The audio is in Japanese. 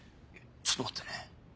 ちょっと待ってね。